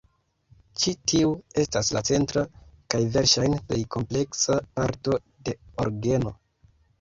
Ĉi tiu estas la centra kaj verŝajne plej kompleksa parto de orgeno.